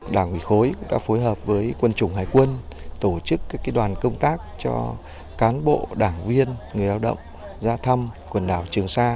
đảng quỳ khối đã phối hợp với quân chủng hải quân tổ chức các đoàn công tác cho cán bộ đảng viên người lao động ra thăm quần đảo trường sa